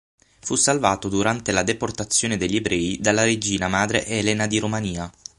Fu salvato durante la deportazione degli ebrei dalla Regina madre Elena di Romania.